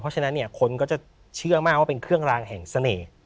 เพราะฉะนั้นเนี่ยคนก็จะเชื่อมากว่าเป็นเครื่องรางแห่งเสน่ห์